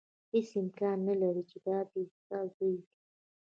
هېڅ امکان نه لري چې دا دې ستا زوی وي.